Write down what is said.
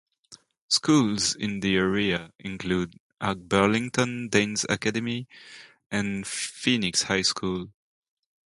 Schools in the area include Ark Burlington Danes Academy and Phoenix High School.